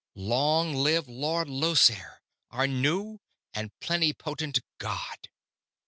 Long live Lord Llosir, our new and plenipotent god!